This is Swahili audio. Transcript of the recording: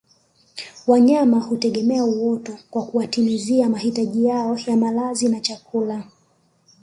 Wanyama hutegemea uoto kwa kuwatimizia mahitaji yao kwa malazi na chakula